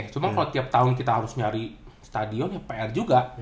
cuma kalau tiap tahun kita harus nyari stadion ya pr juga